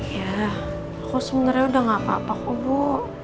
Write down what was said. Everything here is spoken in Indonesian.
ya aku sebenernya udah gak apa apaku bu